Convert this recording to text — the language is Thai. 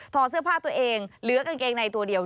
เสื้อผ้าตัวเองเหลือกางเกงในตัวเดียว